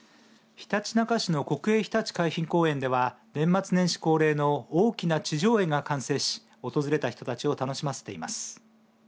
ひたちなか市の国営ひたちなか海浜公園では年末年始恒例の大きな地上絵が完成し訪れた人たちを楽しませています。